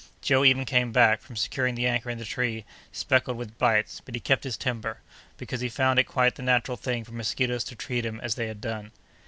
Joe even came back, from securing the anchor in the tree, speckled with bites, but he kept his temper, because he found it quite the natural thing for mosquitoes to treat him as they had done.